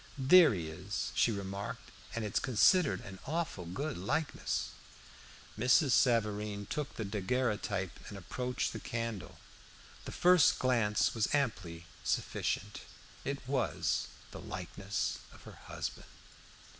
"There he is," she remarked, "an' it's considered an awful good likeness." Mrs. Savareen took the daguerreotype and approached the candle. The first glance was amply sufficient. It was the likeness of her husband.